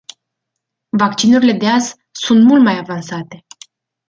Vaccinurile de azi sunt mult mai avansate.